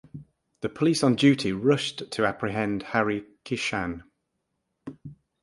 The police on duty rushed to apprehend Hari Kishan.